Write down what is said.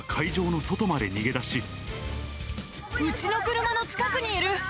うちの車の近くにいる。